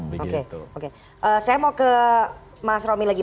saya mau ke mas romi lagi